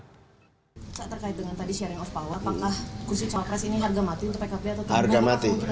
pak terkait dengan tadi sharing of power apakah kursi wapres ini harga mati untuk pkp atau